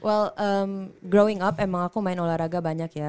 well growing up emang aku main olahraga banyak ya